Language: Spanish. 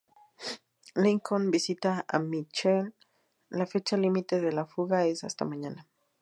Lincoln visita a Michael, la fecha límite de la fuga es hasta mañana.